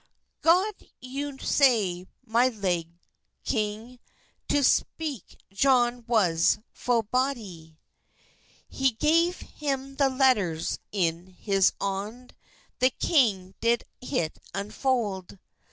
"God yow saue, my lege kyng," To speke Johne was fulle bolde; He gaf hym tbe letturs in his hond, The kyng did hit unfold.